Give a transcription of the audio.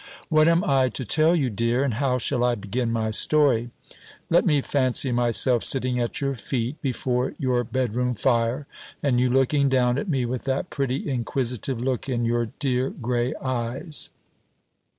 What am I to tell you, dear, and how shall I begin my story? Let me fancy myself sitting at your feet before your bedroom fire, and you looking down at me with that pretty inquisitive look in your dear grey eyes.